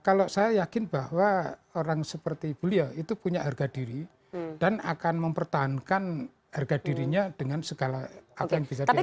kalau saya yakin bahwa orang seperti beliau itu punya harga diri dan akan mempertahankan harga dirinya dengan segala apa yang bisa dilakukan